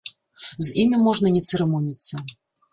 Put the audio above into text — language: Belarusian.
З імі можна не цырымоніцца.